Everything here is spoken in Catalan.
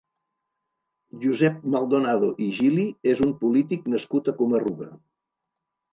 Josep Maldonado i Gili és un polític nascut a Coma-ruga.